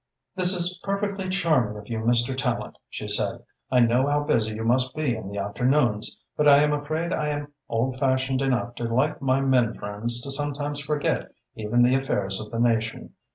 "This is perfectly charming of you, Mr. Tallente," she said. "I know how busy you must be in the afternoons, but I am afraid I am old fashioned enough to like my men friends to sometimes forget even the affairs of the nation.